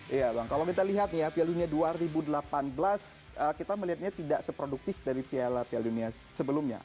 iya bang kalau kita lihat nih piala dunia dua ribu delapan belas kita melihatnya tidak seproduktif dari piala dunia sebelumnya